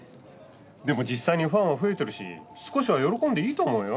でも実際にファンは増えてるし少しは喜んでいいと思うよ。